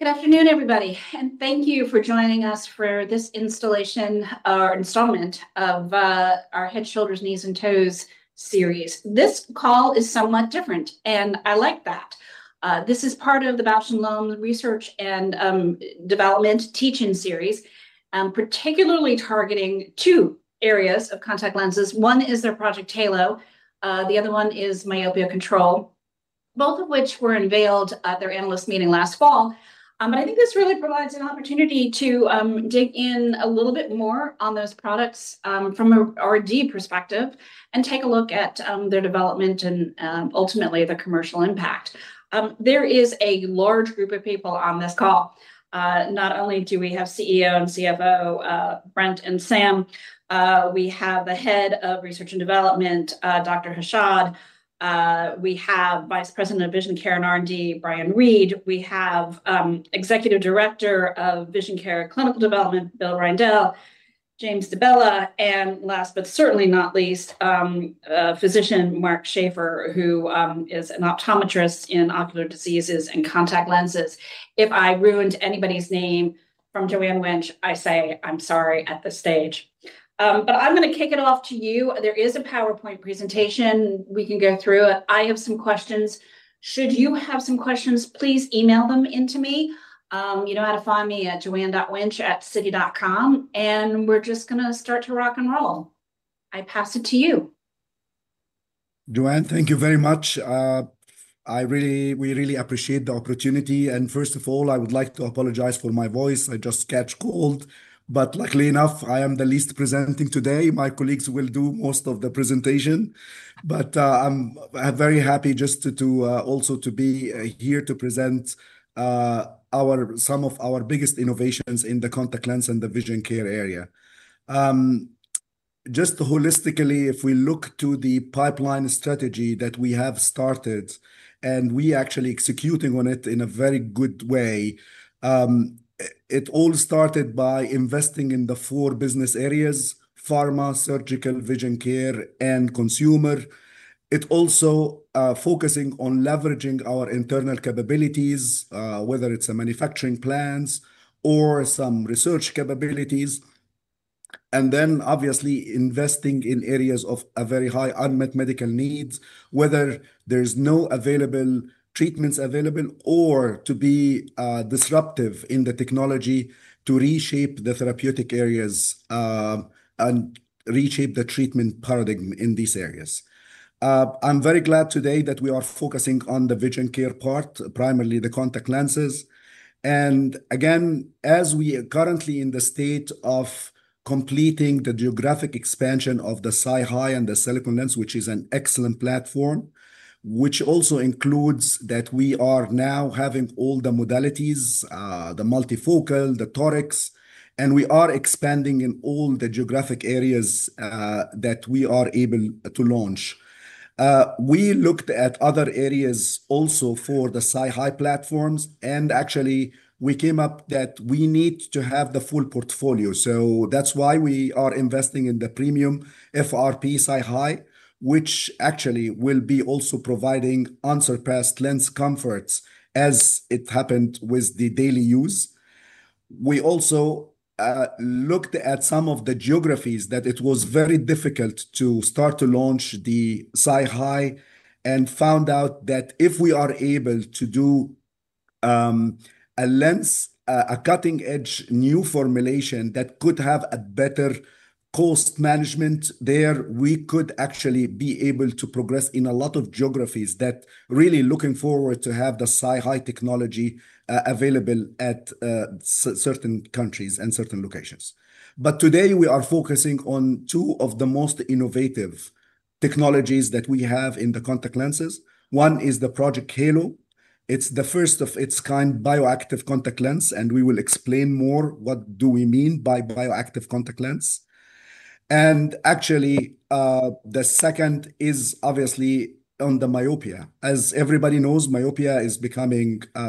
Good afternoon, everybody. Thank you for joining us for this installment of our Head, Shoulders, Knees, and Toes series. This call is somewhat different. I like that. This is part of the Bausch + Lomb research and development teaching series, particularly targeting two areas of contact lenses. One is their Project Halo, the other one is myopia control, both of which were unveiled at their analyst meeting last fall. I think this really provides an opportunity to dig in a little bit more on those products from an R&D perspective and take a look at their development and ultimately their commercial impact. There is a large group of people on this call. Not only do we have CEO and CFO, Brent and Sam, we have the Head of Research and Development, Dr. Hashad. We have Vice President of Vision Care R&D, Bryan Reed. We have Executive Director of Vision Care Clinical Development, Bill Reindel, James DiBella, and last but certainly not least, physician Mark Schaeffer, who is an optometrist in ocular diseases and contact lenses. If I ruined anybody's name from Joanne Wuensch, I say I'm sorry at this stage. I'm going to kick it off to you. There is a PowerPoint presentation. We can go through it. I have some questions. Should you have some questions, please email them to me. You know how to find me at joanne.wuensch@citi.com. We're just going to start to rock and roll. I pass it to you. Joanne, thank you very much. We really appreciate the opportunity. First of all, I would like to apologize for my voice. I just catch cold, luckily enough, I am the least presenting today. My colleagues will do most of the presentation. I'm very happy just to also to be here to present some of our biggest innovations in the contact lens and the vision care area. Just holistically, if we look to the pipeline strategy that we have started, we actually executing on it in a very good way. It all started by investing in the four business areas: pharma, surgical, vision care, and consumer. It also focusing on leveraging our internal capabilities, whether it's manufacturing plants or some research capabilities, then obviously investing in areas of a very high unmet medical needs, whether there's no treatments available or to be disruptive in the technology to reshape the therapeutic areas, and reshape the treatment paradigm in these areas. I'm very glad today that we are focusing on the vision care part, primarily the contact lenses. Again, as we are currently in the state of completing the geographic expansion of the SiHy and the silicone lens, which is an excellent platform, which also includes that we are now having all the modalities, the multifocal, the torics, and we are expanding in all the geographic areas that we are able to launch. We looked at other areas also for the SiHy platforms, actually, we came up that we need to have the full portfolio. That's why we are investing in the premium FRP SiHy, which actually will be also providing unsurpassed lens comforts as it happened with the daily use. We also looked at some of the geographies that it was very difficult to start to launch the SiHy and found out that if we are able to do a cutting-edge new formulation that could have a better cost management there, we could actually be able to progress in a lot of geographies that really looking forward to have the SiHy technology available at certain countries and certain locations. Today, we are focusing on two of the most innovative technologies that we have in the contact lenses. One is the Project Halo. It's the first of its kind bioactive contact lens, and we will explain more what do we mean by bioactive contact lens. Actually, the second is obviously on the myopia. As everybody knows, myopia is becoming a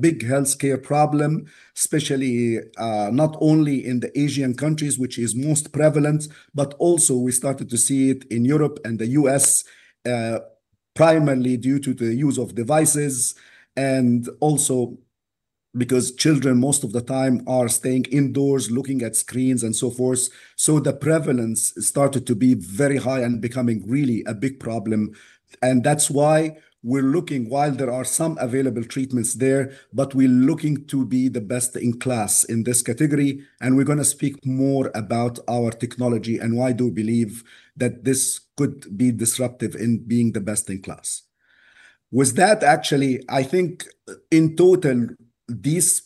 big healthcare problem, especially not only in the Asian countries, which is most prevalent, but also we started to see it in Europe and the U.S., primarily due to the use of devices and also because children, most of the time, are staying indoors, looking at screens, and so forth. The prevalence started to be very high and becoming really a big problem, and that's why we're looking. While there are some available treatments there, but we're looking to be the best-in-class in this category, and we're going to speak more about our technology and why do we believe that this could be disruptive in being the best-in-class. Actually, I think in total, these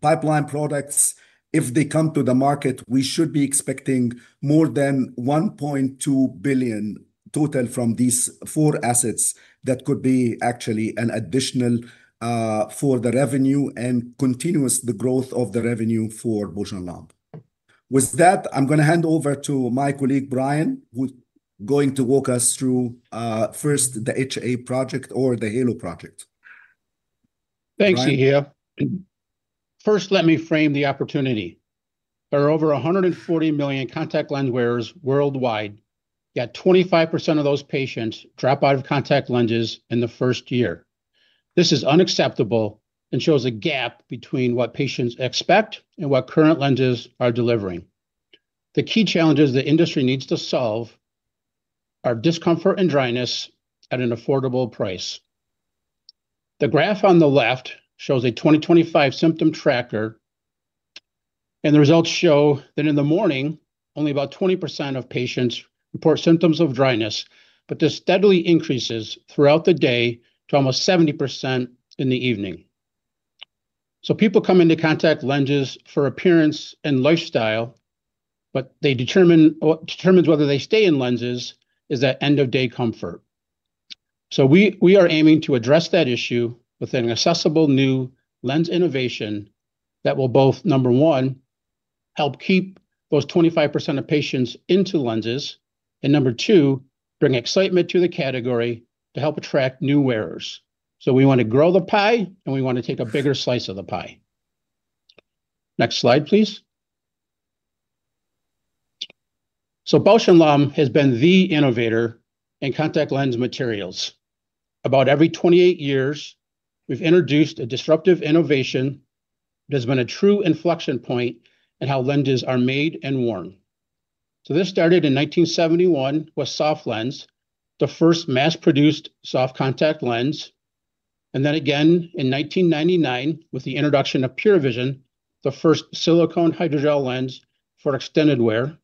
pipeline products, if they come to the market, we should be expecting more than $1.2 billion total from these four assets that could be actually an additional for the revenue and continuous the growth of the revenue for Bausch + Lomb. I'm going to hand over to my colleague, Bryan, who's going to walk us through first the HA project or the Project Halo. Thanks, Yehia. First, let me frame the opportunity. There are over 140 million contact lens wearers worldwide, yet 25% of those patients drop out of contact lenses in the first year. This is unacceptable and shows a gap between what patients expect and what current lenses are delivering. The key challenges the industry needs to solve are discomfort and dryness at an affordable price. The graph on the left shows a 2025 symptom tracker, and the results show that in the morning, only about 20% of patients report symptoms of dryness, but this steadily increases throughout the day to almost 70% in the evening. People come into contact lenses for appearance and lifestyle, but what determines whether they stay in lenses is that end-of-day comfort. We are aiming to address that issue with an accessible new lens innovation that will both, number one help keep those 25% of patients into lenses, and number two, bring excitement to the category to help attract new wearers. We want to grow the pie, and we want to take a bigger slice of the pie. Next slide, please. Bausch + Lomb has been the innovator in contact lens materials. About every 28 years, we've introduced a disruptive innovation that has been a true inflection point in how lenses are made and worn. This started in 1971 with SofLens, the first mass-produced soft contact lens, and then again in 1999 with the introduction of PureVision, the first silicone hydrogel lens for extended wear.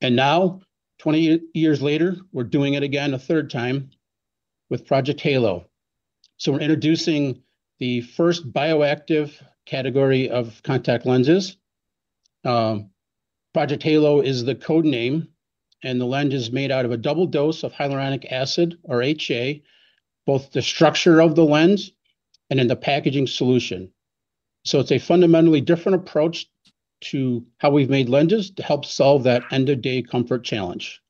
Now, 20 years later, we're doing it again a third time with Project Halo. We're introducing the first bioactive category of contact lenses. Project Halo is the code name, and the lens is made out of a double dose of hyaluronic acid, or HA, both the structure of the lens and in the packaging solution. It's a fundamentally different approach to how we've made lenses to help solve that end-of-day comfort challenge.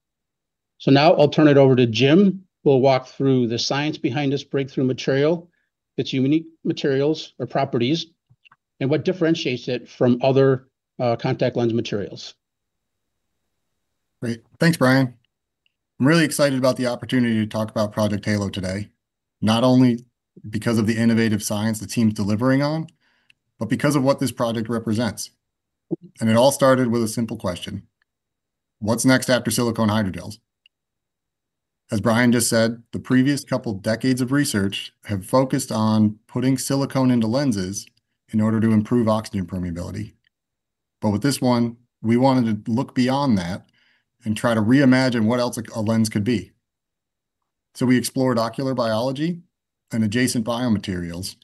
Now I'll turn it over to Jim, who will walk through the science behind this breakthrough material, its unique materials or properties, and what differentiates it from other contact lens materials. Great. Thanks, Bryan. I'm really excited about the opportunity to talk about Project Halo today, not only because of the innovative science the team's delivering on, but because of what this project represents. It all started with a simple question. What's next after silicone hydrogels? As Bryan just said, the previous couple of decades of research have focused on putting silicone into lenses in order to improve oxygen permeability. With this one, we wanted to look beyond that and try to reimagine what else a lens could be. We explored ocular biology and adjacent biomaterials,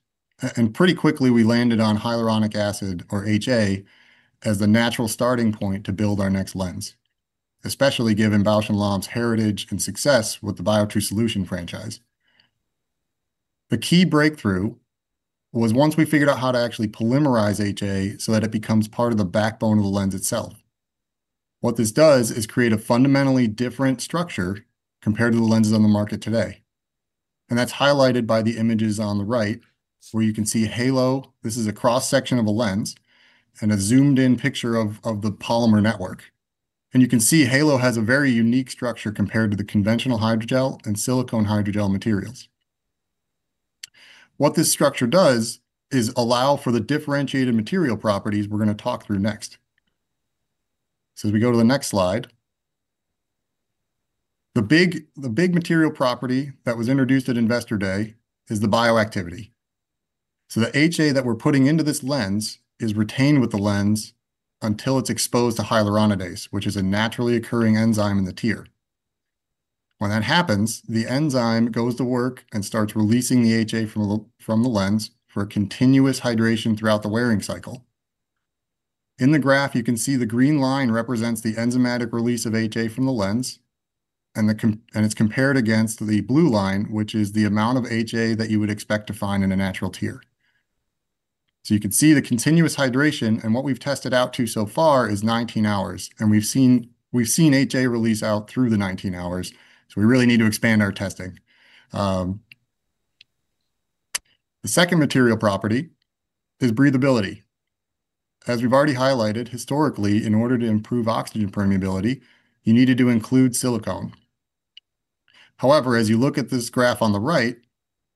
and pretty quickly we landed on hyaluronic acid, or HA, as the natural starting point to build our next lens, especially given Bausch + Lomb's heritage and success with the Biotrue solution franchise. The key breakthrough was once we figured out how to actually polymerize HA so that it becomes part of the backbone of the lens itself. What this does is create a fundamentally different structure compared to the lenses on the market today, and that's highlighted by the images on the right where you can see Halo. This is a cross-section of a lens and a zoomed-in picture of the polymer network. You can see Halo has a very unique structure compared to the conventional hydrogel and silicone hydrogel materials. What this structure does is allow for the differentiated material properties we're going to talk through next. As we go to the next slide, the big material property that was introduced at Investor Day is the bioactivity. The HA that we're putting into this lens is retained with the lens until it's exposed to hyaluronidase, which is a naturally occurring enzyme in the tear. When that happens, the enzyme goes to work and starts releasing the HA from the lens for continuous hydration throughout the wearing cycle. In the graph, you can see the green line represents the enzymatic release of HA from the lens, and it's compared against the blue line, which is the amount of HA that you would expect to find in a natural tear. You can see the continuous hydration, and what we've tested out to so far is 19 hours, and we've seen HA release out through the 19 hours, we really need to expand our testing. The second material property is breathability. As we've already highlighted, historically, in order to improve oxygen permeability, you needed to include silicone. As you look at this graph on the right,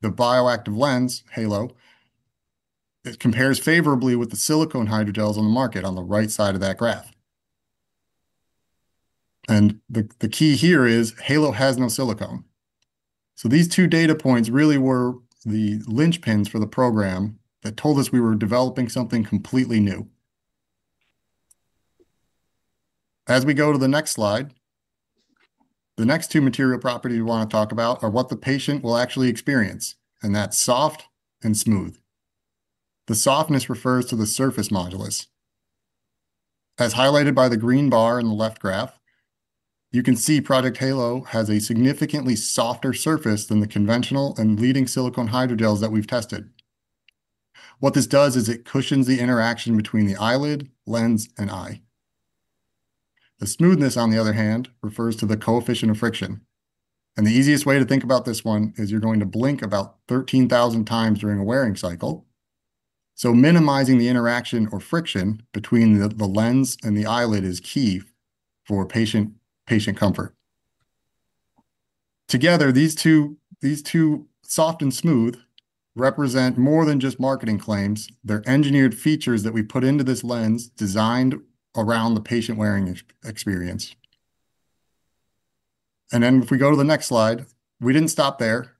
the bioactive lens, Halo, it compares favorably with the silicone hydrogels on the market on the right side of that graph. The key here is Halo has no silicone. These two data points really were the linchpins for the program that told us we were developing something completely new. As we go to the next slide, the next two material properties we want to talk about are what the patient will actually experience, and that's soft and smooth. The softness refers to the surface modulus. As highlighted by the green bar in the left graph, you can see Project Halo has a significantly softer surface than the conventional and leading silicone hydrogels that we've tested. What this does is it cushions the interaction between the eyelid, lens, and eye. The smoothness, on the other hand, refers to the coefficient of friction. The easiest way to think about this one is you're going to blink about 13,000 times during a wearing cycle. Minimizing the interaction or friction between the lens and the eyelid is key for patient comfort. Together, these two, soft and smooth, represent more than just marketing claims. They're engineered features that we put into this lens designed around the patient wearing experience. If we go to the next slide, we didn't stop there.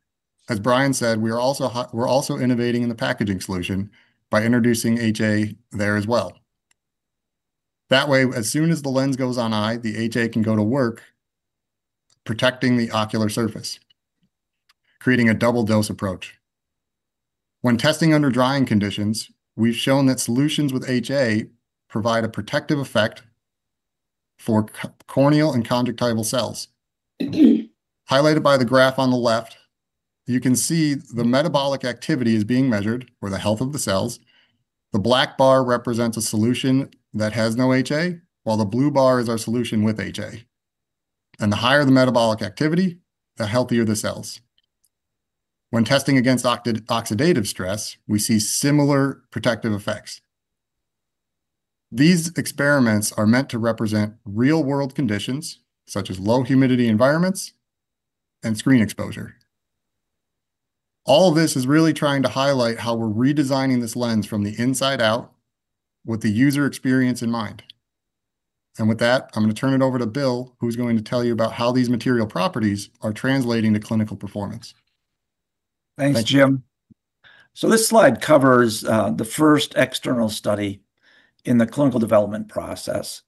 As Bryan said, we're also innovating in the packaging solution by introducing HA there as well. That way, as soon as the lens goes on eye, the HA can go to work protecting the ocular surface, creating a double dose approach. When testing under drying conditions, we've shown that solutions with HA provide a protective effect for corneal and conjunctival cells. Highlighted by the graph on the left, you can see the metabolic activity is being measured for the health of the cells. The black bar represents a solution that has no HA, while the blue bar is our solution with HA. The higher the metabolic activity, the healthier the cells. When testing against oxidative stress, we see similar protective effects. These experiments are meant to represent real-world conditions, such as low humidity environments and screen exposure. All of this is really trying to highlight how we're redesigning this lens from the inside out with the user experience in mind. With that, I'm going to turn it over to Bill, who's going to tell you about how these material properties are translating to clinical performance. Thanks, Jim. This slide covers the first external study in the clinical development process.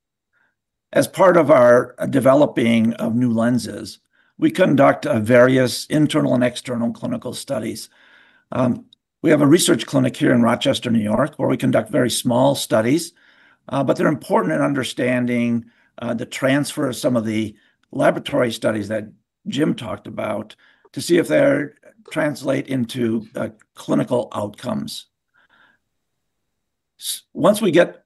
As part of our developing of new lenses, we conduct various internal and external clinical studies. We have a research clinic here in Rochester, New York, where we conduct very small studies, but they're important in understanding the transfer of some of the laboratory studies that Jim talked about to see if they translate into clinical outcomes. Once we get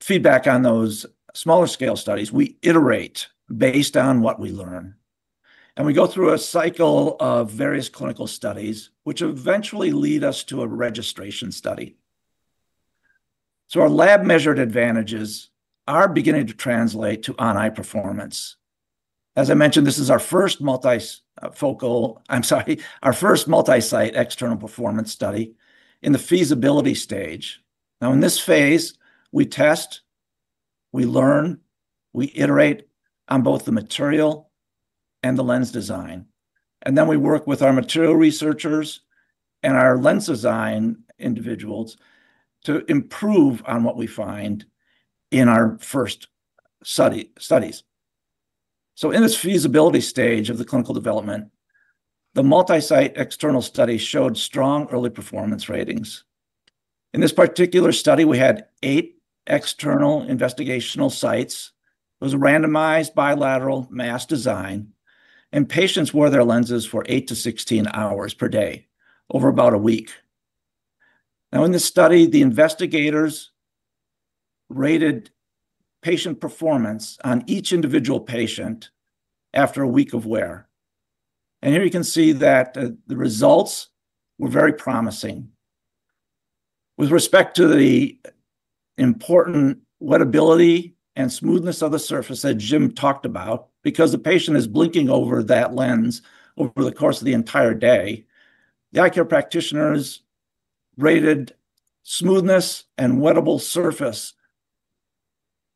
feedback on those smaller scale studies, we iterate based on what we learn, and we go through a cycle of various clinical studies, which eventually lead us to a registration study. Our lab-measured advantages are beginning to translate to on-eye performance. As I mentioned, this is our first multi-site external performance study in the feasibility stage. In this phase, we test, we learn, we iterate on both the material and the lens design. We work with our material researchers and our lens design individuals to improve on what we find in our first studies. In this feasibility stage of the clinical development, the multi-site external study showed strong early performance ratings. In this particular study, we had eight external investigational sites. It was a randomized bilateral masked design. Patients wore their lenses for 8-16 hours per day over about a week. In this study, the investigators rated patient performance on each individual patient after a week of wear. Here you can see that the results were very promising. With respect to the important wettability and smoothness of the surface that Jim talked about, because the patient is blinking over that lens over the course of the entire day, the eye care practitioners rated smoothness and wettable surface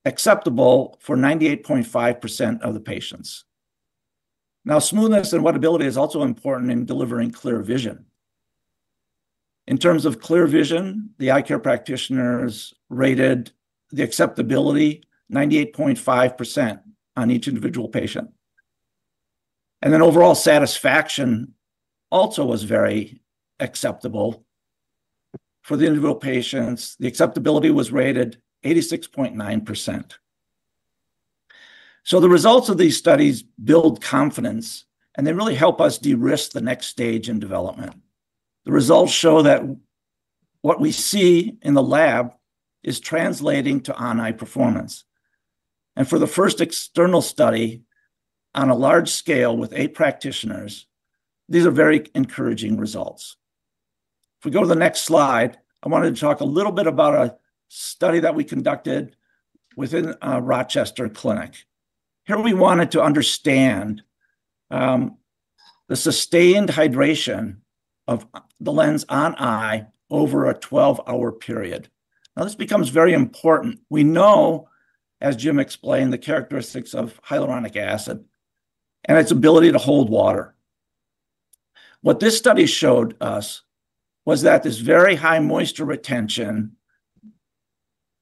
acceptable for 98.5% of the patients. Smoothness and wettability is also important in delivering clear vision. In terms of clear vision, the eye care practitioners rated the acceptability 98.5% on each individual patient. Overall satisfaction also was very acceptable for the individual patients. The acceptability was rated 86.9%. The results of these studies build confidence, and they really help us de-risk the next stage in development. The results show that what we see in the lab is translating to on-eye performance. For the first external study on a large scale with eight practitioners, these are very encouraging results. If we go to the next slide, I wanted to talk a little bit about a study that we conducted within our Rochester clinic. Here, we wanted to understand the sustained hydration of the lens on eye over a 12-hour period. Now, this becomes very important. We know, as Jim explained, the characteristics of hyaluronic acid and its ability to hold water. What this study showed us was that this very high moisture retention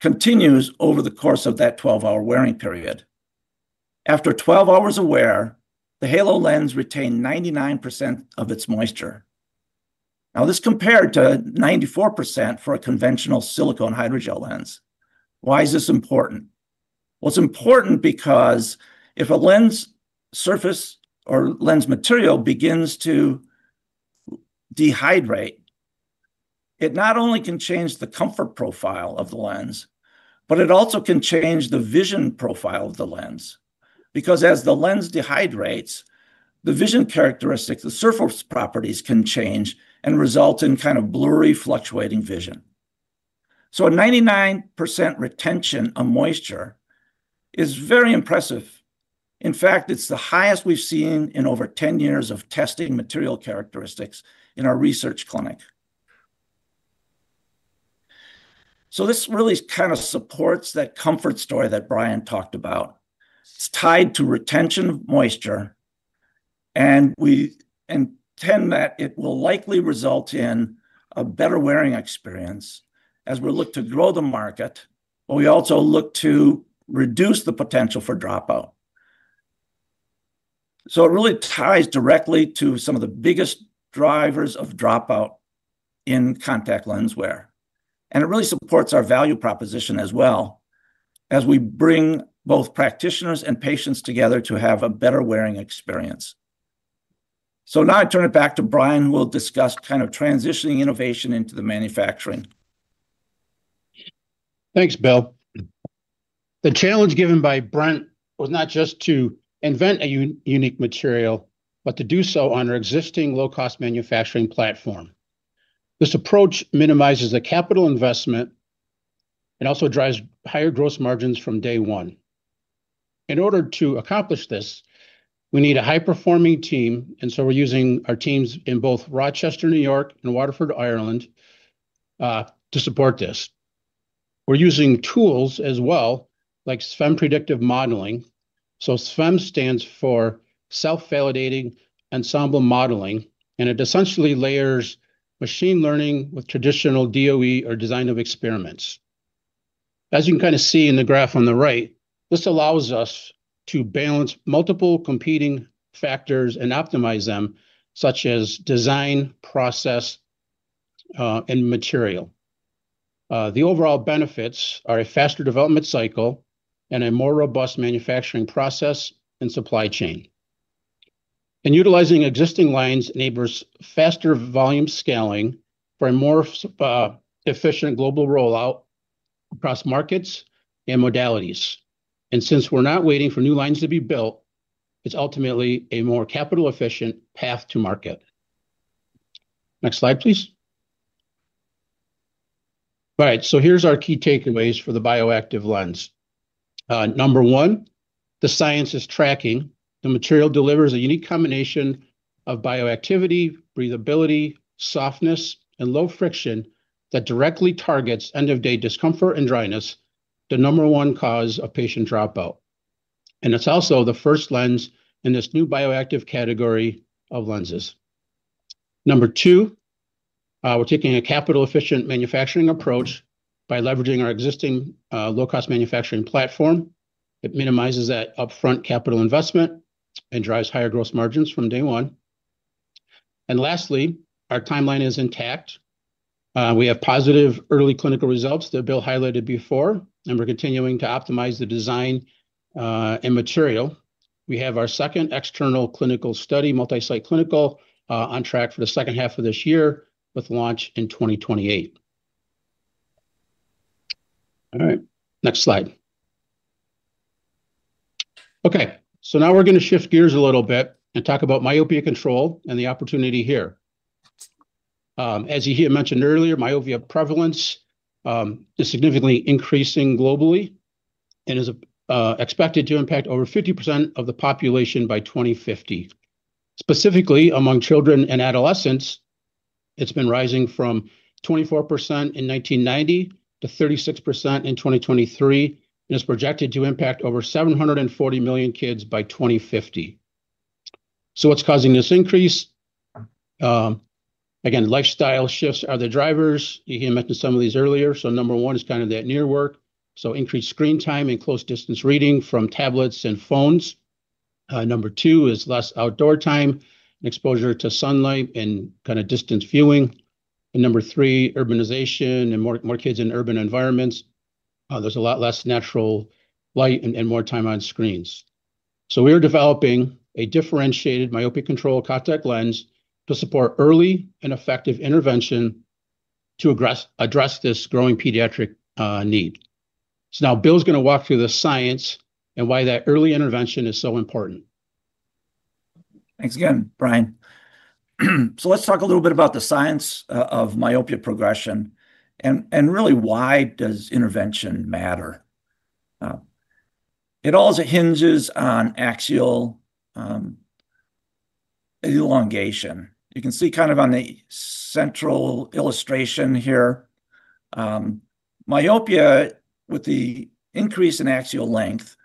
continues over the course of that 12-hour wearing period. After 12 hours of wear, the Halo lens retained 99% of its moisture. Now, this compared to 94% for a conventional silicone hydrogel lens. Why is this important? Well, it's important because if a lens surface or lens material begins to dehydrate, it not only can change the comfort profile of the lens, but it also can change the vision profile of the lens. As the lens dehydrates, the vision characteristics, the surface properties can change and result in kind of blurry, fluctuating vision. A 99% retention of moisture is very impressive. In fact, it's the highest we've seen in over 10 years of testing material characteristics in our research clinic. This really kind of supports that comfort story that Bryan talked about. It's tied to retention of moisture, and we intend that it will likely result in a better wearing experience as we look to grow the market, but we also look to reduce the potential for dropout. It really ties directly to some of the biggest drivers of dropout in contact lens wear. It really supports our value proposition as well, as we bring both practitioners and patients together to have a better wearing experience. Now I turn it back to Bryan, who will discuss kind of transitioning innovation into the manufacturing. Thanks, Bill. The challenge given by Brent was not just to invent a unique material, but to do so on our existing low-cost manufacturing platform. This approach minimizes the capital investment and also drives higher gross margins from day one. In order to accomplish this, we need a high-performing team. We're using our teams in both Rochester, New York, and Waterford, Ireland, to support this. We're using tools as well, like SVEM predictive modeling. SVEM stands for self-validating ensemble modeling, and it essentially layers machine learning with traditional DOE or design of experiments. As you can kind of see in the graph on the right, this allows us to balance multiple competing factors and optimize them, such as design, process, and material. The overall benefits are a faster development cycle and a more robust manufacturing process and supply chain. Utilizing existing lines enables faster volume scaling for a more efficient global rollout across markets and modalities. Since we're not waiting for new lines to be built, it's ultimately a more capital-efficient path to market. Next slide, please. Right. Here's our key takeaways for the bioactive contact lens. Number one, the science is tracking. The material delivers a unique combination of bioactivity, breathability, softness, and low friction that directly targets end-of-day discomfort and dryness, the number one cause of patient dropout. It's also the first lens in this new bioactive category of lenses. Number two, we're taking a capital-efficient manufacturing approach by leveraging our existing low-cost manufacturing platform. It minimizes that upfront capital investment and drives higher gross margins from day one. Lastly, our timeline is intact. We have positive early clinical results that Bill highlighted before, and we're continuing to optimize the design and material. We have our second external clinical study, multi-site clinical, on track for the second half of this year with launch in 2028. All right. Next slide. Now we're going to shift gears a little bit and talk about myopia control and the opportunity here. As Yehia mentioned earlier, myopia prevalence is significantly increasing globally and is expected to impact over 50% of the population by 2050. Specifically, among children and adolescents, it's been rising from 24% in 1990 to 36% in 2023, and is projected to impact over 740 million kids by 2050. What's causing this increase? Again, lifestyle shifts are the drivers. Yehia mentioned some of these earlier. Number one is kind of that near work, so increased screen time and close distance reading from tablets and phones. Number two is less outdoor time and exposure to sunlight and kind of distance viewing. Number three, urbanization and more kids in urban environments. There's a lot less natural light and more time on screens. We are developing a differentiated myopia control contact lens to support early and effective intervention to address this growing pediatric need. Now Bill's going to walk through the science and why that early intervention is so important. Thanks again, Bryan. Let's talk a little bit about the science of myopia progression and really why does intervention matter. It also hinges on axial elongation. You can see kind of on the central illustration here, myopia with the increase in axial length,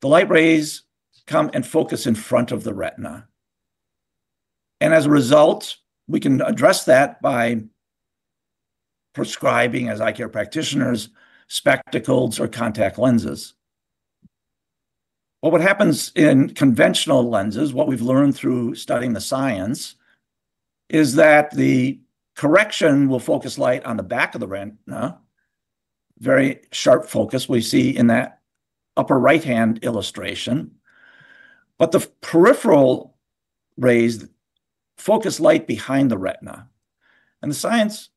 the light rays come and focus in front of the retina. As a result, we can address that by prescribing, as eye care practitioners, spectacles or contact lenses. What happens in conventional lenses, what we've learned through studying the science, is that the correction will focus light on the back of the retina. Very sharp focus we see in that upper right-hand illustration. The peripheral rays focus light behind the retina, and the science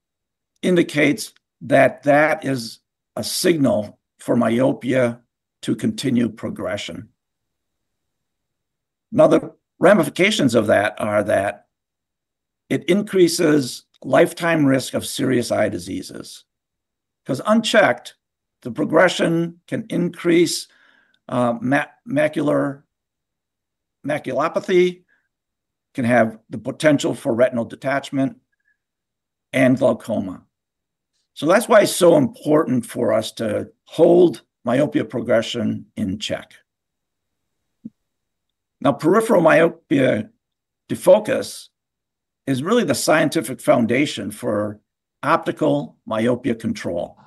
indicates that that is a signal for myopia to continue progression. The ramifications of that are that it increases lifetime risk of serious eye diseases. Unchecked, the progression can increase macular retinopathy, can have the potential for retinal detachment and glaucoma. That's why it's so important for us to hold myopia progression in check. Peripheral myopic defocus is really the scientific foundation for optical myopia control,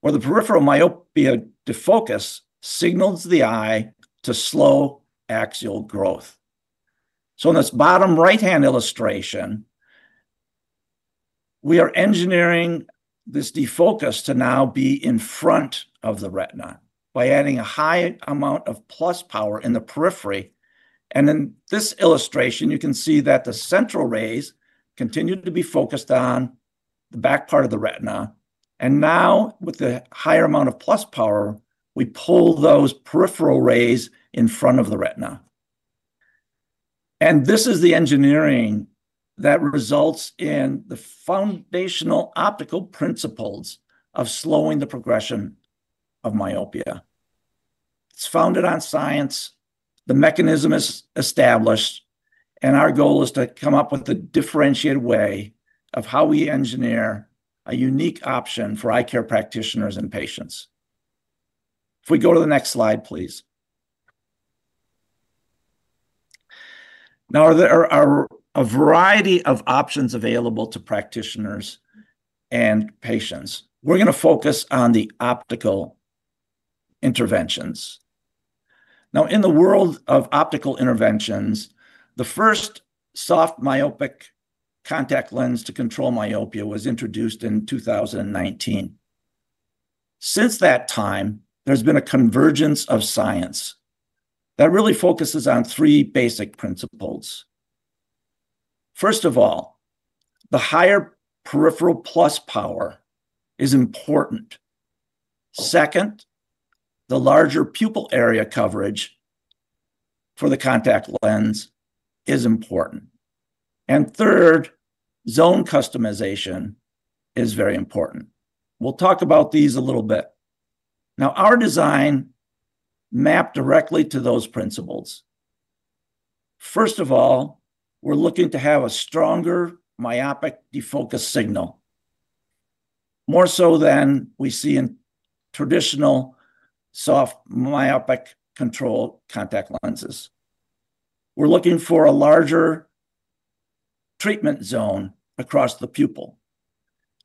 where the peripheral myopic defocus signals the eye to slow axial elongation. In this bottom right-hand illustration, we are engineering this defocus to now be in front of the retina by adding a high amount of plus power in the periphery. In this illustration, you can see that the central rays continue to be focused on the back part of the retina. Now, with the higher amount of plus power, we pull those peripheral rays in front of the retina. This is the engineering that results in the foundational optical principles of slowing the progression of myopia. It's founded on science, the mechanism is established, and our goal is to come up with a differentiated way of how we engineer a unique option for eye care practitioners and patients. If we go to the next slide, please. There are a variety of options available to practitioners and patients. We're going to focus on the optical interventions. In the world of optical interventions, the first soft myopic contact lens to control myopia was introduced in 2019. Since that time, there's been a convergence of science that really focuses on three basic principles. First of all, the higher peripheral plus power is important. Second, the larger pupil area coverage for the contact lens is important. Third, zone customization is very important. We'll talk about these a little bit. Our design mapped directly to those principles. First of all, we're looking to have a stronger myopic defocus signal, more so than we see in traditional soft myopia control contact lenses. We're looking for a larger treatment zone across the pupil,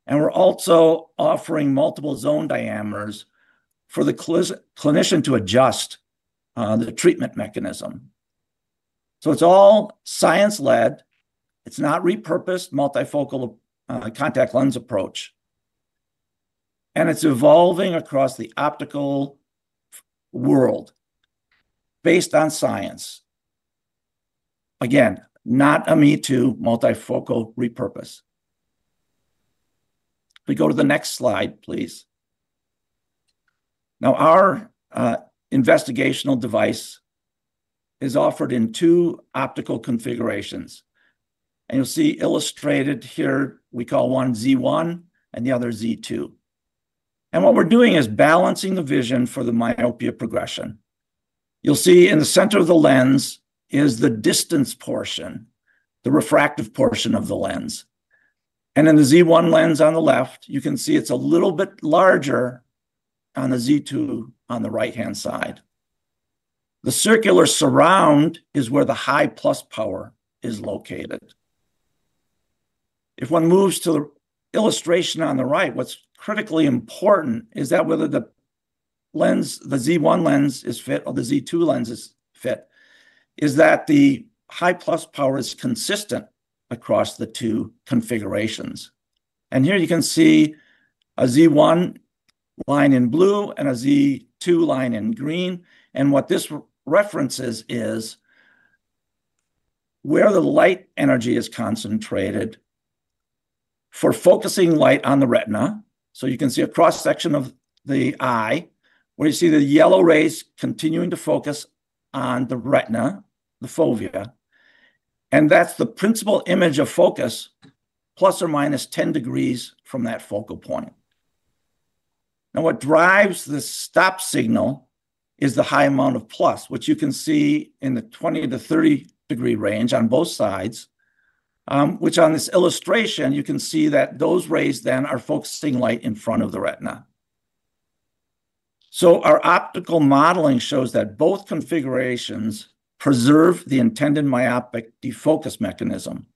we're also offering multiple zone diameters for the clinician to adjust the treatment mechanism. It's all science-led. It's not repurposed multifocal contact lens approach. It's evolving across the optical world based on science. Again, not a me-too multifocal repurpose. If we go to the next slide, please. Our investigational device is offered in two optical configurations, and you'll see illustrated here, we call one Z1 and the other Z2. What we're doing is balancing the vision for the myopia progression. You'll see in the center of the lens is the distance portion, the refractive portion of the lens. In the Z1 lens on the left, you can see it's a little bit larger than the Z2 on the right-hand side. The circular surround is where the high plus power is located. If one moves to the illustration on the right, what's critically important is that whether the Z1 lens is fit or the Z2 lens is fit, is that the high plus power is consistent across the two configurations. Here you can see a Z1 line in blue and a Z2 line in green. What this references is where the light energy is concentrated for focusing light on the retina. You can see a cross-section of the eye, where you see the yellow rays continuing to focus on the retina, the fovea, and that's the principal image of focus ±10 degrees from that focal point. What drives the stop signal is the high amount of plus, which you can see in the 20–30-degree range on both sides, which on this illustration, you can see that those rays then are focusing light in front of the retina. Our optical modeling shows that both configurations preserve the intended myopic defocus mechanism.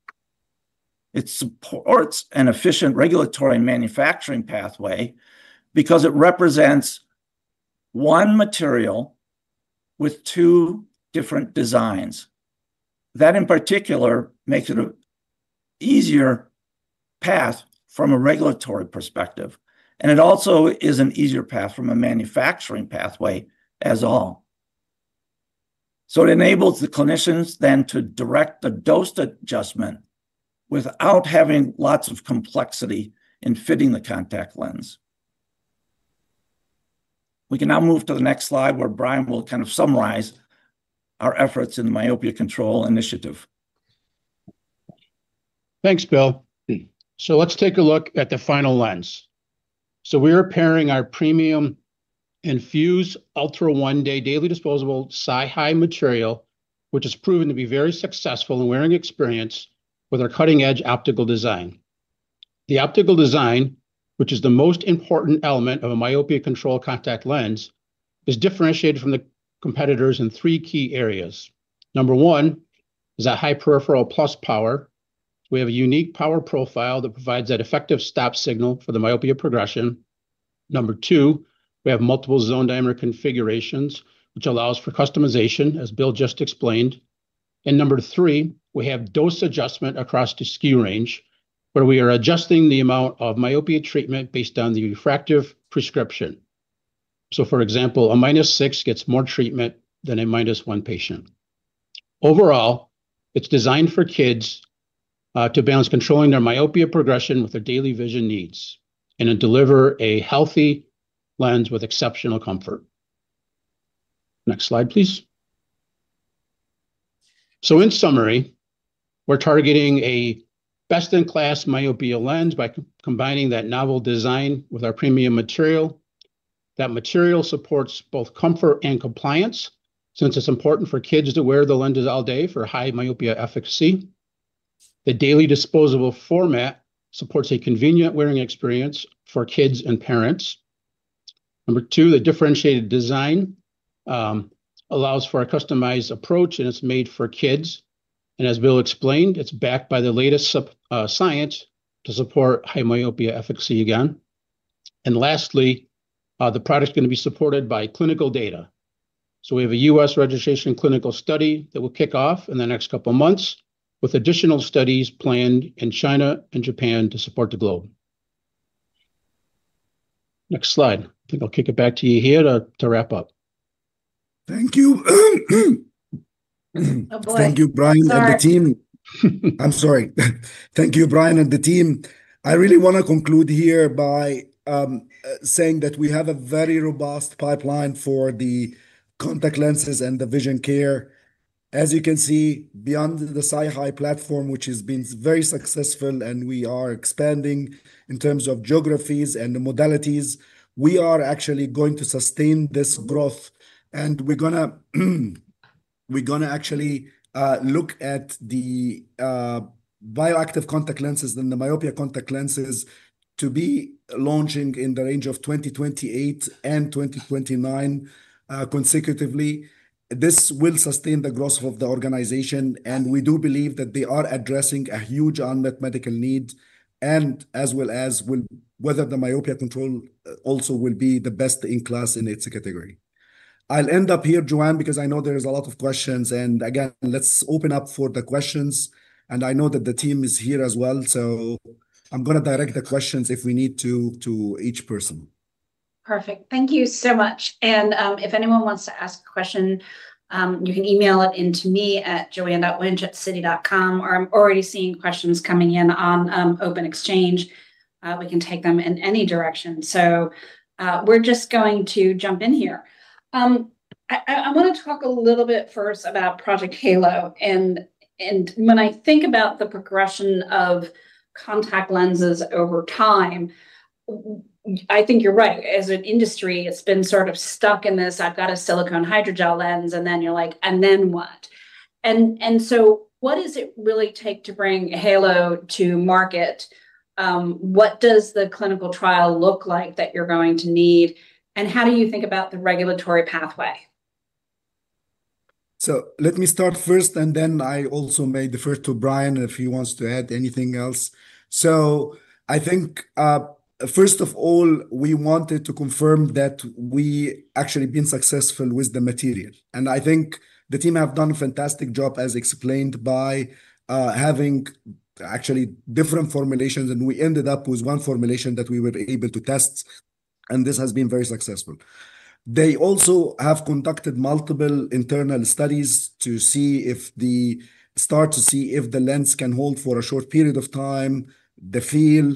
It supports an efficient regulatory manufacturing pathway because it represents one material with two different designs. That, in particular, makes it an easier path from a regulatory perspective, and it also is an easier path from a manufacturing pathway as well. It enables the clinicians then to direct the dose adjustment without having lots of complexity in fitting the contact lens. We can now move to the next slide, where Bryan will kind of summarize our efforts in the myopia control initiative. Thanks, Bill. Let's take a look at the final lens. We are pairing our premium INFUSE One-Day daily disposable SiHy material, which has proven to be very successful in wearing experience, with our cutting-edge optical design. The optical design, which is the most important element of a myopia control contact lens, is differentiated from the competitors in three key areas. Number one is that high peripheral plus power. We have a unique power profile that provides that effective stop signal for the myopia progression. Number two, we have multiple zone diameter configurations, which allows for customization, as Bill just explained. Number three, we have dose adjustment across the SKU range, where we are adjusting the amount of myopia treatment based on the refractive prescription. For example, a -6 gets more treatment than a -1 patient. Overall, it's designed for kids to balance controlling their myopia progression with their daily vision needs, and to deliver a healthy lens with exceptional comfort. Next slide, please. In summary, we're targeting a best-in-class myopia lens by combining that novel design with our premium material. That material supports both comfort and compliance, since it's important for kids to wear the lenses all day for high myopia efficacy. The daily disposable format supports a convenient wearing experience for kids and parents. Number two, the differentiated design allows for a customized approach, and it's made for kids. As Bill explained, it's backed by the latest science to support high myopia efficacy again. Lastly, the product's going to be supported by clinical data. We have a U.S. registration clinical study that will kick off in the next couple of months, with additional studies planned in China and Japan to support the globe. Next slide. I think I'll kick it back to you here to wrap up. Thank you. Oh, boy. Sorry. Thank you, Bryan and the team. I really want to conclude here by saying that we have a very robust pipeline for the contact lenses and the vision care. As you can see, beyond the SiHy platform, which has been very successful, and we are expanding in terms of geographies and modalities. We are actually going to sustain this growth and we're going to actually look at the bioactive contact lenses and the myopia contact lenses to be launching in the range of 2028 and 2029 consecutively. This will sustain the growth of the organization, and we do believe that they are addressing a huge unmet medical need, and as well as whether the myopia control also will be the best-in-class in its category. I'll end up here, Joanne, because I know there is a lot of questions. Again, let's open up for the questions. I know that the team is here as well, so I'm going to direct the questions if we need to each person. Perfect. Thank you so much. If anyone wants to ask a question, you can email it in to me at joanne.wuensch@citi.com, or I'm already seeing questions coming in on OpenExchange. We can take them in any direction. We're just going to jump in here. I want to talk a little bit first about Project Halo. When I think about the progression of contact lenses over time, I think you're right. As an industry, it's been sort of stuck in this, I've got a silicone hydrogel lens, and then you're like, and then what? What does it really take to bring Halo to market? What does the clinical trial look like that you're going to need, and how do you think about the regulatory pathway? Let me start first, and then I also may defer to Bryan if he wants to add anything else. I think, first of all, we wanted to confirm that we actually been successful with the material, and I think the team have done a fantastic job, as explained, by having actually different formulations, and we ended up with one formulation that we were able to test, and this has been very successful. They also have conducted multiple internal studies to start to see if the lens can hold for a short period of time, the feel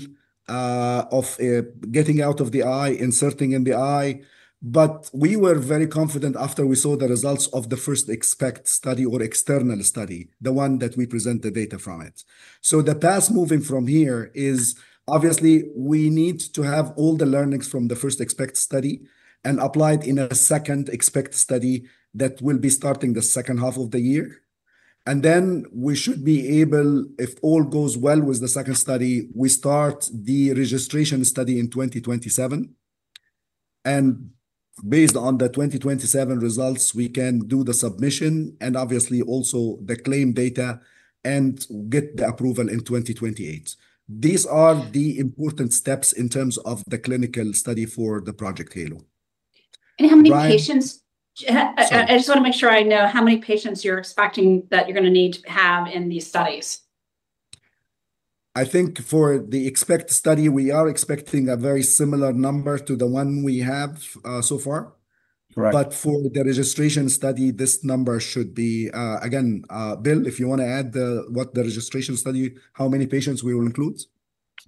of getting out of the eye, inserting in the eye. We were very confident after we saw the results of the first study or external study, the one that we present the data from it. The path moving from here is obviously we need to have all the learnings from the first study and apply it in a second study that will be starting the second half of the year. Then we should be able, if all goes well with the second study, we start the registration study in 2027. Based on the 2027 results, we can do the submission and obviously also the claim data and get the approval in 2028. These are the important steps in terms of the clinical study for the Project Halo. How many patients- Right. Sorry. I just want to make sure I know how many patients you're expecting that you're going to need to have in these studies. I think for the study, we are expecting a very similar number to the one we have so far. Right. For the registration study, this number should be, again, Bill, if you want to add what the registration study, how many patients we will include?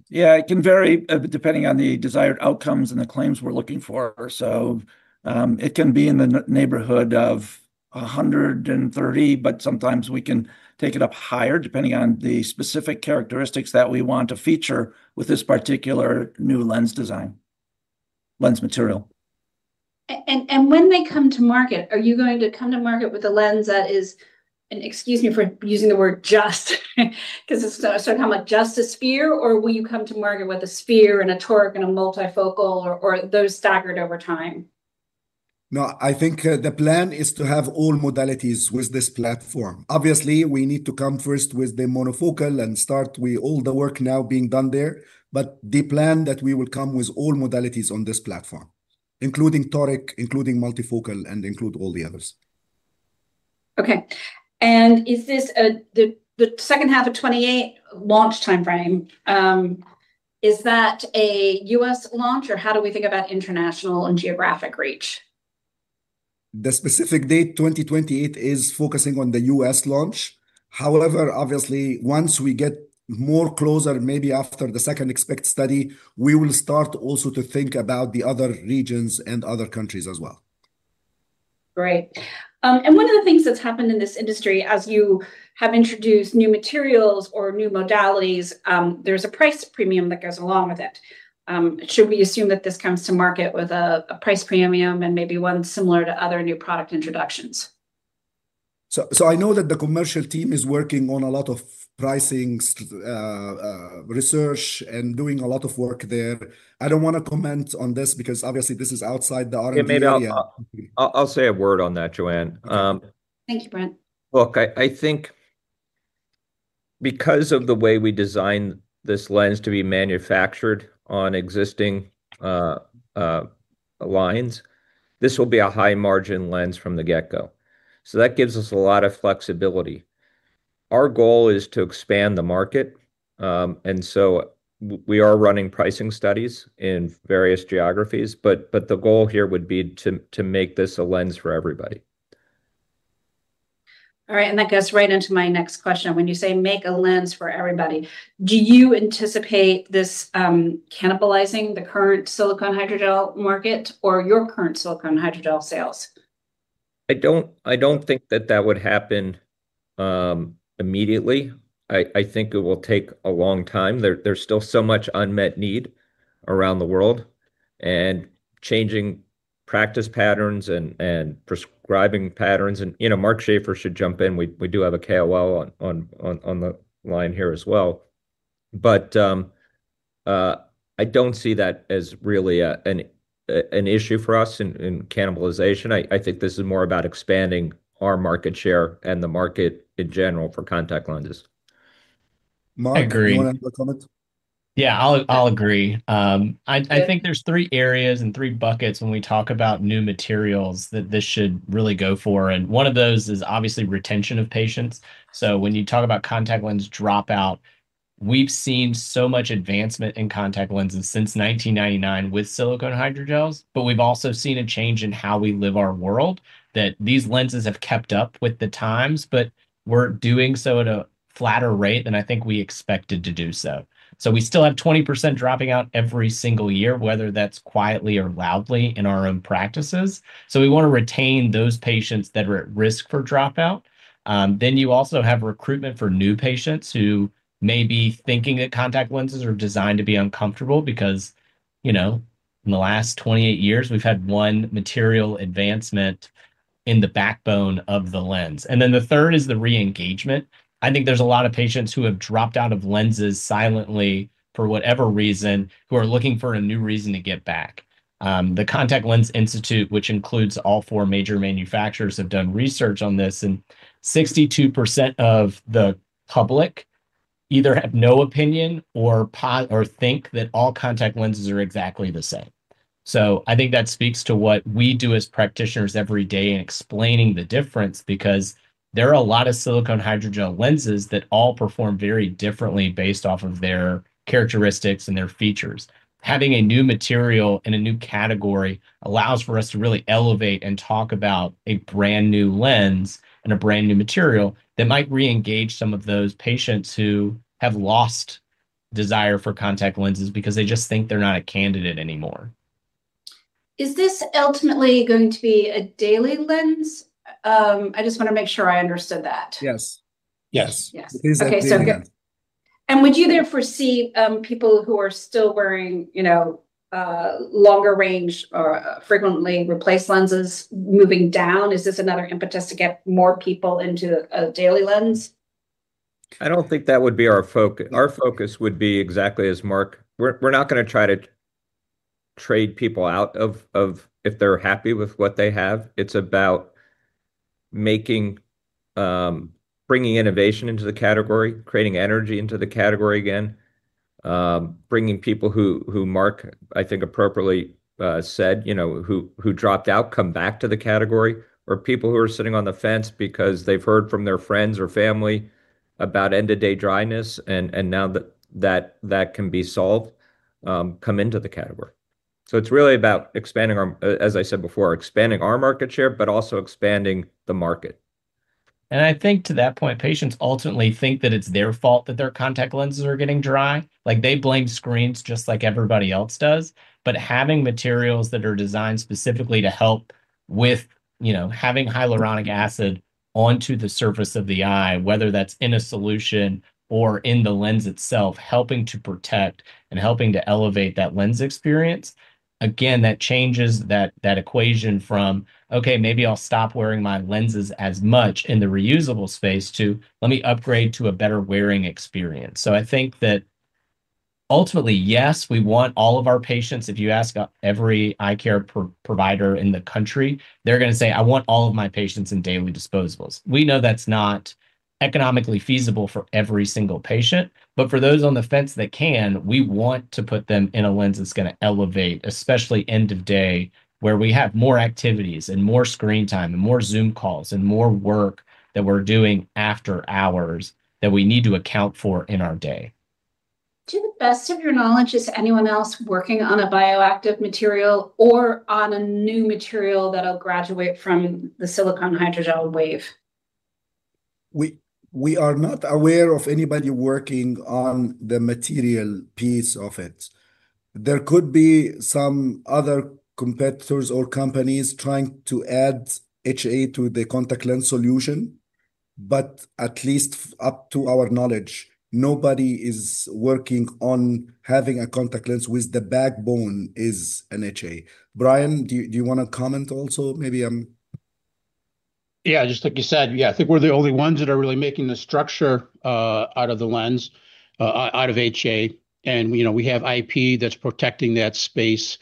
Yeah. It can vary depending on the desired outcomes and the claims we're looking for. It can be in the neighborhood of 130, but sometimes we can take it up higher depending on the specific characteristics that we want to feature with this particular new lens design, lens material. When they come to market, are you going to come to market with a lens that is, and excuse me for using the word just because it's going to come out, just a sphere, or will you come to market with a sphere and a toric and a multifocal, or are those staggered over time? No. I think the plan is to have all modalities with this platform. Obviously, we need to come first with the monofocal and start with all the work now being done there, but the plan that we will come with all modalities on this platform, including toric, including multifocal, and include all the others. Okay. The second half of 2028 launch timeframe, is that a U.S. launch, or how do we think about international and geographic reach? The specific date, 2028, is focusing on the U.S. launch. However, obviously once we get more closer, maybe after the second study, we will start also to think about the other regions and other countries as well. Great. One of the things that's happened in this industry, as you have introduced new materials or new modalities, there's a price premium that goes along with it. Should we assume that this comes to market with a price premium and maybe one similar to other new product introductions? I know that the commercial team is working on a lot of pricing research and doing a lot of work there. I don't want to comment on this because obviously this is outside the R&D area. Maybe I'll say a word on that, Joanne. Thank you, Brent. Look, I think because of the way we designed this lens to be manufactured on existing lines, this will be a high-margin lens from the get-go. That gives us a lot of flexibility. Our goal is to expand the market, and so we are running pricing studies in various geographies, but the goal here would be to make this a lens for everybody. All right, that goes right into my next question. When you say make a lens for everybody, do you anticipate this cannibalizing the current silicone hydrogel market or your current silicone hydrogel sales? I don't think that that would happen immediately. I think it will take a long time. There's still so much unmet need around the world and changing practice patterns and prescribing patterns. Mark Schaeffer should jump in. We do have a KOL on the line here as well. I don't see that as really an issue for us in cannibalization. I think this is more about expanding our market share and the market in general for contact lenses. Mark- I agree. Do you want to have a comment? Yeah, I'll agree. I think there's three areas and three buckets when we talk about new materials that this should really go for. One of those is obviously retention of patients. When you talk about contact lens dropout, we've seen so much advancement in contact lenses since 1999 with silicone hydrogels. We've also seen a change in how we live our world, that these lenses have kept up with the times. We're doing so at a flatter rate than I think we expected to do so. We still have 20% dropping out every single year, whether that's quietly or loudly in our own practices. We want to retain those patients that are at risk for dropout. You also have recruitment for new patients who may be thinking that contact lenses are designed to be uncomfortable because, in the last 28 years, we've had one material advancement in the backbone of the lens. The third is the re-engagement. I think there's a lot of patients who have dropped out of lenses silently for whatever reason, who are looking for a new reason to get back. The Contact Lens Institute, which includes all four major manufacturers, have done research on this, 62% of the public either have no opinion or think that all contact lenses are exactly the same. I think that speaks to what we do as practitioners every day in explaining the difference, because there are a lot of silicone hydrogel lenses that all perform very differently based off of their characteristics and their features. Having a new material and a new category allows for us to really elevate and talk about a brand-new lens and a brand-new material that might re-engage some of those patients who have lost desire for contact lenses because they just think they're not a candidate anymore. Is this ultimately going to be a daily lens? I just want to make sure I understood that. Yes. Yes. Yes. Okay. It is a daily lens. Would you therefore see people who are still wearing longer range or frequently replaced lenses moving down? Is this another impetus to get more people into a daily lens? I don't think that would be our focus. Our focus would be exactly as Mark. We're not going to try to trade people out if they're happy with what they have. It's about bringing innovation into the category, creating energy into the category again, bringing people who Mark, I think appropriately said, who dropped out, come back to the category. People who are sitting on the fence because they've heard from their friends or family about end-of-day dryness, and now that can be solved, come into the category. It's really about, as I said before, expanding our market share, but also expanding the market. I think to that point, patients ultimately think that it's their fault that their contact lenses are getting dry. They blame screens just like everybody else does. Having materials that are designed specifically to help with having hyaluronic acid onto the surface of the eye, whether that's in a solution or in the lens itself, helping to protect and helping to elevate that lens experience. Again, that changes that equation from, okay, maybe I'll stop wearing my lenses as much, in the reusable space, let me upgrade to a better wearing experience. I think that ultimately, yes, we want all of our patients. If you ask every eye care provider in the country, they're going to say, I want all of my patients in daily disposables. We know that's not economically feasible for every single patient. For those on the fence that can, we want to put them in a lens that's going to elevate, especially end of day, where we have more activities and more screen time and more Zoom calls and more work that we're doing after hours that we need to account for in our day. To the best of your knowledge, is anyone else working on a bioactive material or on a new material that'll graduate from the silicone hydrogel wave? We are not aware of anybody working on the material piece of it. There could be some other competitors or companies trying to add HA to the contact lens solution. At least up to our knowledge, nobody is working on having a contact lens with the backbone is an HA. Bryan, do you want to comment also? Yeah, just like you said. Yeah, I think we're the only ones that are really making the structure out of the lens, out of HA. We have IP that's protecting that space.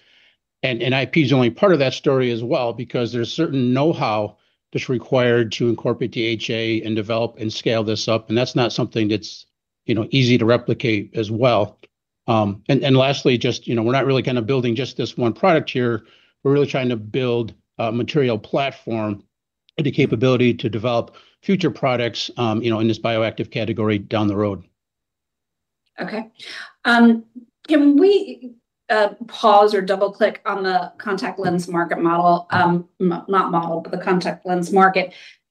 IP is only part of that story as well, because there's certain knowhow that's required to incorporate the HA and develop and scale this up, and that's not something that's easy to replicate as well. Lastly, we're not really building just this one product here. We're really trying to build a material platform and the capability to develop future products in this bioactive category down the road. Okay. Can we pause or double-click on the contact lens market,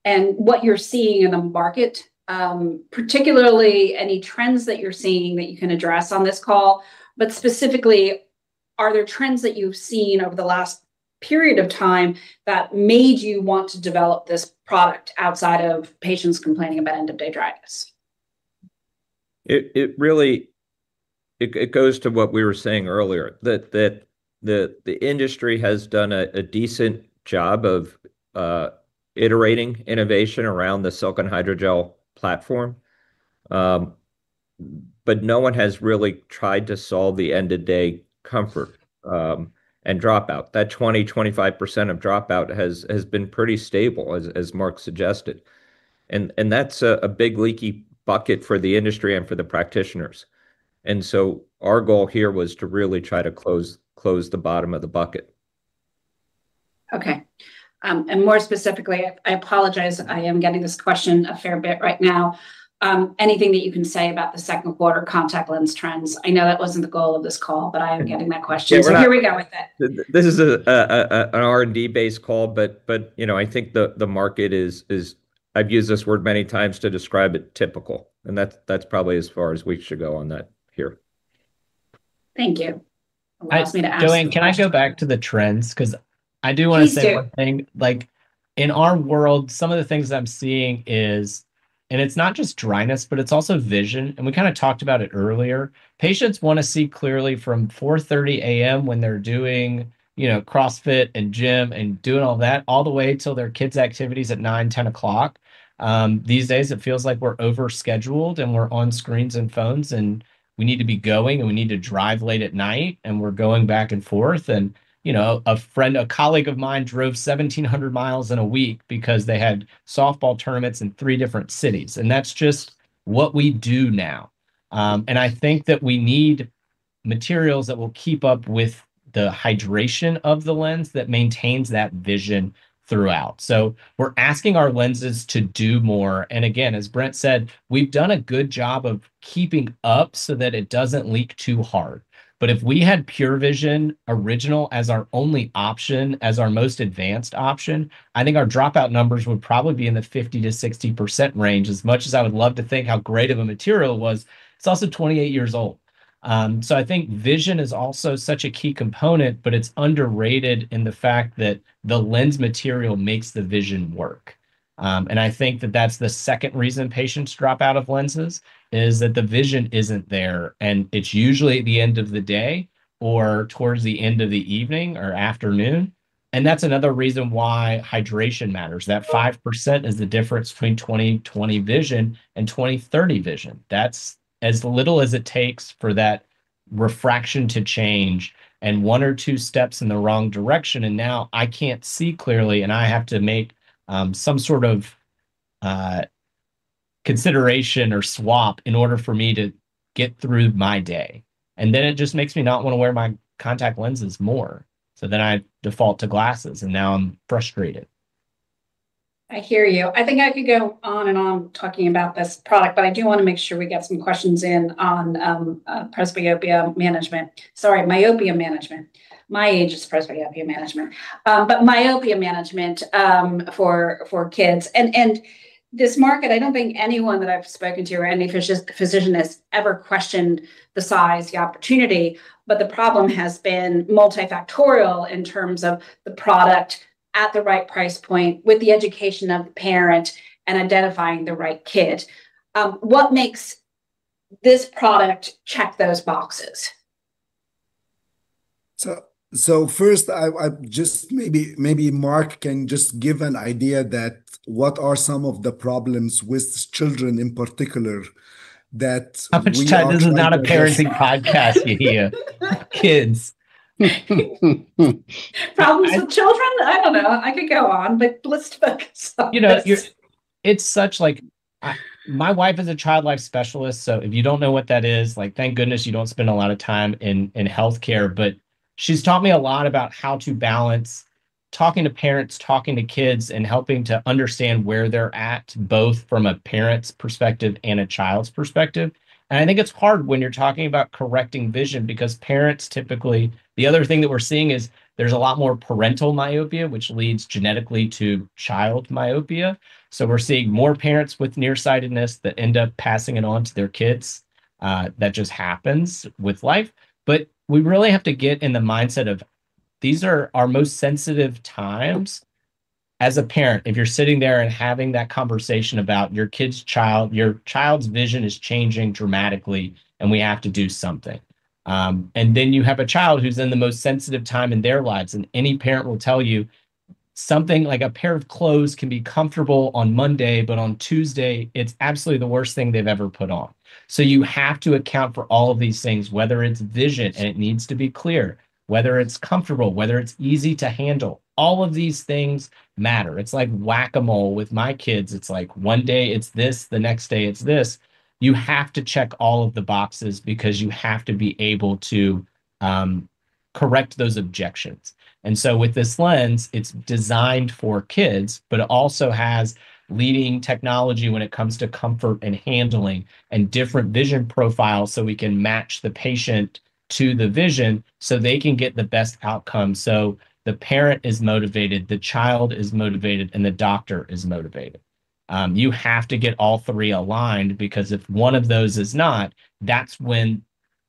and what you're seeing in the market? Particularly any trends that you're seeing that you can address on this call. Specifically, are there trends that you've seen over the last period of time that made you want to develop this product outside of patients complaining about end-of-day dryness? It goes to what we were saying earlier, that the industry has done a decent job of iterating innovation around the silicone hydrogel platform. No one has really tried to solve the end-of-day comfort and dropout. That 20%-25% of dropout has been pretty stable, as Mark suggested. That's a big leaky bucket for the industry and for the practitioners. Our goal here was to really try to close the bottom of the bucket. Okay. More specifically, I apologize, I am getting this question a fair bit right now. Anything that you can say about the second quarter contact lens trends? I know that wasn't the goal of this call. I am getting that question. Yeah. Here we go with it. This is an R&D-based call. I think the market is, I've used this word many times to describe it, typical. That's probably as far as we should go on that here. Thank you. Allows me to ask the next question. Joanne, can I go back to the trends? I do want to say. Please do. One thing. In our world, some of the things that I'm seeing is, and it's not just dryness, but it's also vision, and we kind of talked about it earlier. Patients want to see clearly from 4:30 A.M. when they're doing CrossFit and gym and doing all that, all the way till their kids' activities at 9:00, 10:00 o'clock. These days, it feels like we're over-scheduled and we're on screens and phones, and we need to be going, and we need to drive late at night, and we're going back and forth. A colleague of mine drove 1,700 mi in a week because they had softball tournaments in three different cities, and that's just what we do now. I think that we need materials that will keep up with the hydration of the lens that maintains that vision throughout. We're asking our lenses to do more. Again, as Brent said, we've done a good job of keeping up so that it doesn't leak too hard. If we had PureVision original as our only option, as our most advanced option, I think our dropout numbers would probably be in the 50%-60% range. As much as I would love to think how great of a material it was, it's also 28 years old. I think vision is also such a key component, but it's underrated in the fact that the lens material makes the vision work. I think that that's the second reason patients drop out of lenses, is that the vision isn't there, and it's usually at the end of the day or towards the end of the evening or afternoon. That's another reason why hydration matters. That 5% is the difference between 20/20 vision and 20/30 vision. That's as little as it takes for refraction to change, one or two steps in the wrong direction, now I can't see clearly, I have to make some sort of consideration or swap in order for me to get through my day. It just makes me not want to wear my contact lenses more, I default to glasses, now I'm frustrated. I hear you. I think I could go on and on talking about this product, but I do want to make sure we get some questions in on presbyopia management. Sorry, myopia management. My age is presbyopia management. Myopia management for kids, and this market, I don't think anyone that I've spoken to or any physician has ever questioned the size, the opportunity, but the problem has been multifactorial in terms of the product at the right price point, with the education of the parent, and identifying the right kid. What makes this product check those boxes? First, maybe Mark can just give an idea that what are some of the problems with children in particular that we are trying to address. How much time is it not a parenting podcast here? Kids. Problems with children? I don't know. I could go on, let's focus on this. My wife is a child life specialist. If you don't know what that is, thank goodness you don't spend a lot of time in healthcare. She's taught me a lot about how to balance talking to parents, talking to kids, and helping to understand where they're at, both from a parent's perspective and a child's perspective. I think it's hard when you're talking about correcting vision because. The other thing that we're seeing is there's a lot more parental myopia, which leads genetically to child myopia. We're seeing more parents with nearsightedness that end up passing it on to their kids. That just happens with life. We really have to get in the mindset of these are our most sensitive times as a parent. If you're sitting there and having that conversation about your child's vision is changing dramatically, and we have to do something. You have a child who's in the most sensitive time in their lives, and any parent will tell you something like a pair of clothes can be comfortable on Monday, but on Tuesday, it's absolutely the worst thing they've ever put on. You have to account for all of these things, whether it's vision, and it needs to be clear. Whether it's comfortable, whether it's easy to handle. All of these things matter. It's like Whac-A-Mole. With my kids, it's like one day it's this, the next day it's this. You have to check all of the boxes because you have to be able to correct those objections. With this lens, it's designed for kids, but it also has leading technology when it comes to comfort and handling and different vision profiles so we can match the patient to the vision so they can get the best outcome. The parent is motivated, the child is motivated, and the doctor is motivated. You have to get all three aligned because if one of those is not, that's when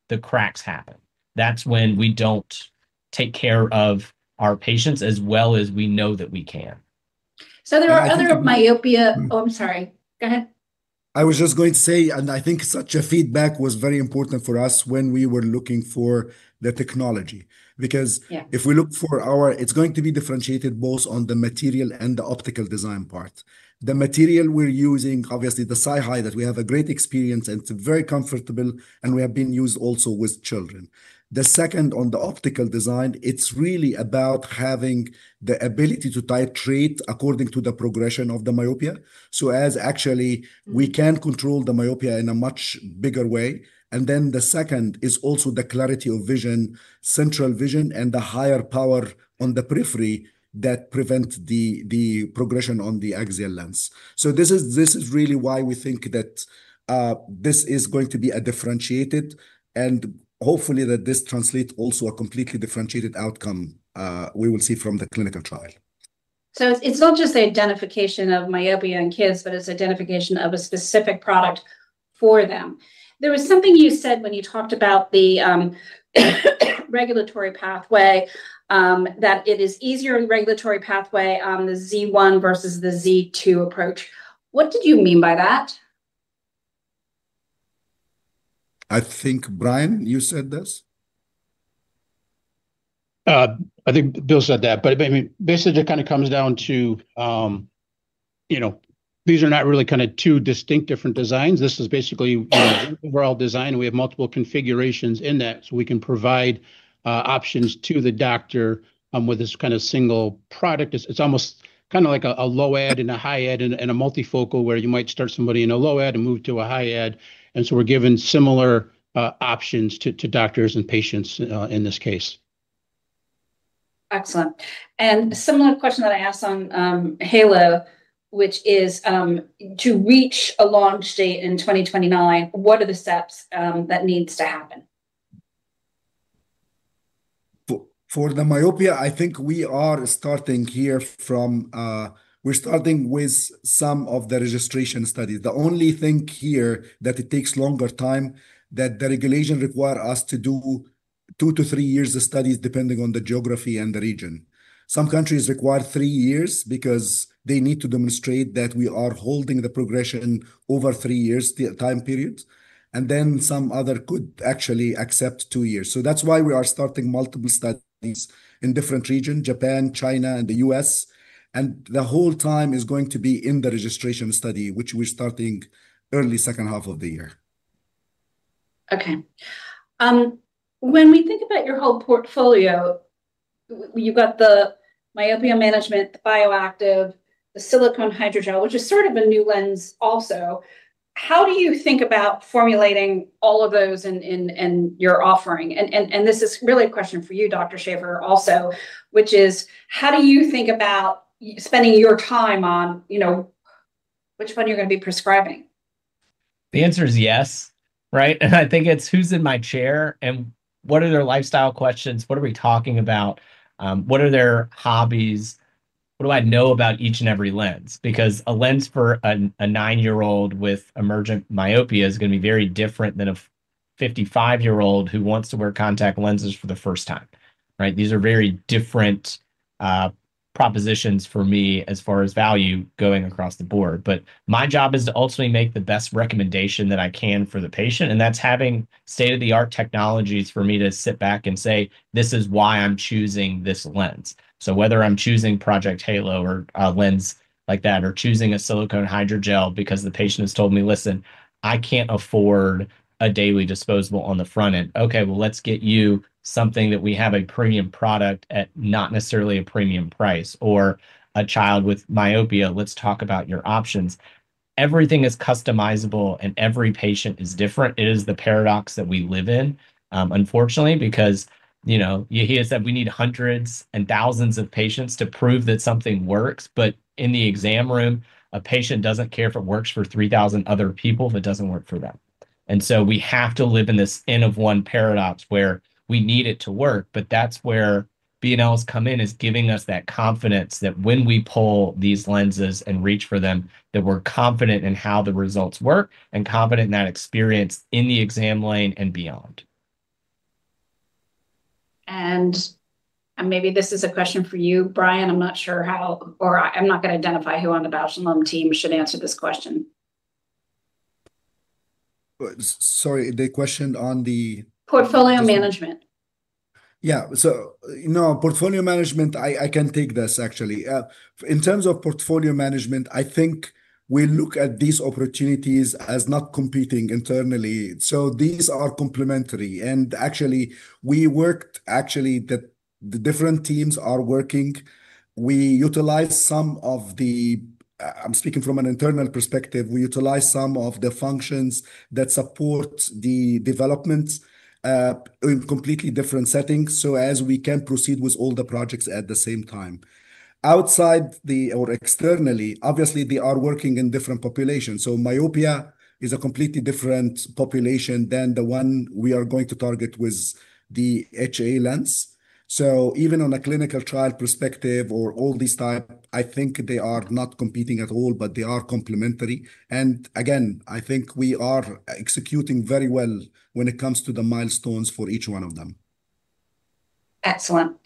the cracks happen. That's when we don't take care of our patients as well as we know that we can. There are other. And I think the- Oh, I'm sorry. Go ahead. I was just going to say, and I think such a feedback was very important for us when we were looking for the technology. Yeah. It's going to be differentiated both on the material and the optical design part. The material we're using, obviously the SiHy that we have a great experience, and it's very comfortable, and we have been used also with children. The second, on the optical design, it's really about having the ability to titrate according to the progression of the myopia, so as actually we can control the myopia in a much bigger way. The second is also the clarity of vision, central vision, and the higher power on the periphery that prevent the progression on the axial elongation. This is really why we think that this is going to be a differentiated, and hopefully that this translates also a completely differentiated outcome we will see from the clinical trial. It's not just the identification of myopia in kids, but it's identification of a specific product for them. There was something you said when you talked about the regulatory pathway, that it is easier in regulatory pathway, the Z1 versus the Z2 approach. What did you mean by that? I think, Bryan, you said this? I think Bill said that, basically, it comes down to these are not really two distinct different designs. This is basically an overall design, and we have multiple configurations in that, so we can provide options to the doctor with this single product. It's almost like a low add and a high add and a multifocal where you might start somebody in a low add and move to a high add. We're giving similar options to doctors and patients in this case. Excellent. A similar question that I asked on Halo, which is to reach a launch date in 2029, what are the steps that needs to happen? For the myopia, I think we're starting with some of the registration studies. The only thing here that it takes longer time that the regulation requires us to do two to three years of studies, depending on the geography and the region. Some countries require three years because they need to demonstrate that we are holding the progression over three years time period. Some other could actually accept two years. That's why we are starting multiple studies in different region, Japan, China, and the U.S. The whole time is going to be in the registration study, which we're starting early second half of the year. Okay. When we think about your whole portfolio, you've got the myopia management, the bioactive, the silicone hydrogel, which is sort of a new lens also. How do you think about formulating all of those in your offering? This is really a question for you, Dr. Schaeffer, also, which is: how do you think about spending your time on which one you're going to be prescribing? The answer is yes, right? I think it's who's in my chair, and what are their lifestyle questions? What are we talking about? What are their hobbies? What do I know about each and every lens? Because a lens for a nine-year-old with emergent myopia is going to be very different than a 55-year-old who wants to wear contact lenses for the first time. Right? These are very different propositions for me as far as value going across the board. My job is to ultimately make the best recommendation that I can for the patient, and that's having state-of-the-art technologies for me to sit back and say, this is why I'm choosing this lens. Whether I'm choosing Project Halo or a lens like that, or choosing a silicone hydrogel because the patient has told me, listen, I can't afford a daily disposable on the front end. Okay, well, let's get you something that we have a premium product at not necessarily a premium price. A child with myopia, let's talk about your options. Everything is customizable, and every patient is different. It is the paradox that we live in, unfortunately, because Yehia said that we need hundreds and thousands of patients to prove that something works, but in the exam room, a patient doesn't care if it works for 3,000 other people if it doesn't work for them. We have to live in this N of one paradox where we need it to work, but that's where B&L's come in, is giving us that confidence that when we pull these lenses and reach for them, that we're confident in how the results work and confident in that experience in the exam lane and beyond. Maybe this is a question for you, Bryan. I'm not sure how, or I'm not going to identify who on the Bausch + Lomb team should answer this question. Sorry, the question on the. Portfolio management. Yeah. No, portfolio management, I can take this, actually. In terms of portfolio management, I think we look at these opportunities as not competing internally. These are complementary. Actually, the different teams are working. I'm speaking from an internal perspective. We utilize some of the functions that support the developments, in completely different settings, so as we can proceed with all the projects at the same time. Externally, obviously, they are working in different populations. Myopia is a completely different population than the one we are going to target with the HA lens. Even on a clinical trial perspective or all these type, I think they are not competing at all, but they are complementary. Again, I think we are executing very well when it comes to the milestones for each one of them. Excellent.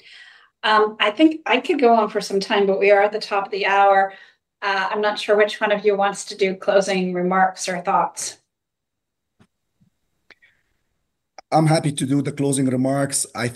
I think I could go on for some time, we are at the top of the hour. I am not sure which one of you wants to do closing remarks or thoughts. I'm happy to do the closing remarks. I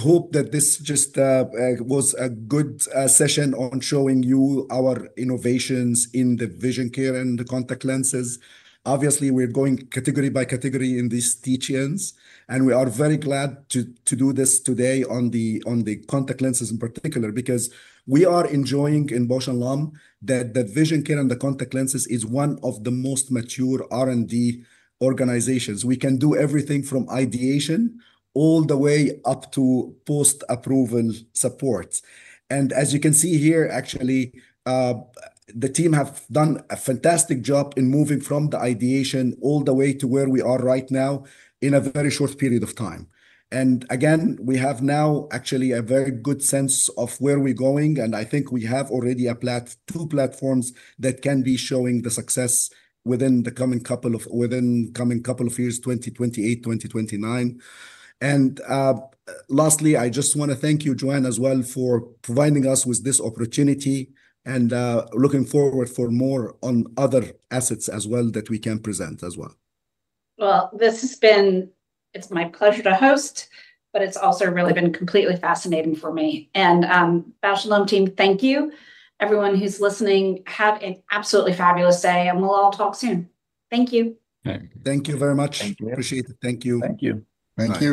hope that this just was a good session on showing you our innovations in the vision care and the contact lenses. Obviously, we're going category by category in these teach-ins, and we are very glad to do this today on the contact lenses in particular, because we are enjoying in Bausch + Lomb that the vision care and the contact lenses is one of the most mature R&D organizations. We can do everything from ideation all the way up to post-approval support. As you can see here, actually, the team have done a fantastic job in moving from the ideation all the way to where we are right now in a very short period of time. Again, we have now actually a very good sense of where we're going, and I think we have already two platforms that can be showing the success within coming couple of years, 2028, 2029. Lastly, I just want to thank you, Joanne, as well, for providing us with this opportunity and looking forward for more on other assets as well that we can present as well. Well, it's my pleasure to host, but it's also really been completely fascinating for me. Bausch + Lomb team, thank you. Everyone who's listening, have an absolutely fabulous day, and we'll all talk soon. Thank you. Thank you very much. Thank you. Appreciate it. Thank you. Thank you. Thank you.